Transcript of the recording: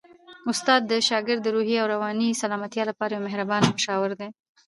استاد د شاګرد د روحي او رواني سلامتیا لپاره یو مهربان مشاور دی.